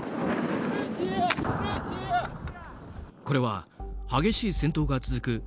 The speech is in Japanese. これは激しい戦闘が続く